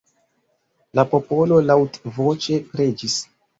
La popolo laŭtvoĉe preĝis.